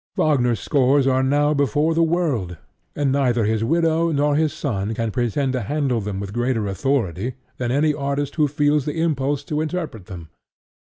Wagner's scores are now before the world; and neither his widow nor his son can pretend to handle them with greater authority than any artist who feels the impulse to interpret them.